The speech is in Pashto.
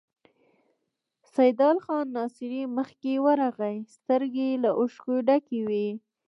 سيدال خان ناصري مخکې ورغی، سترګې يې له اوښکو ډکې وې.